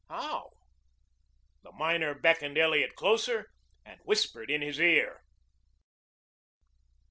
"How?" The miner beckoned Elliot closer and whispered in his ear.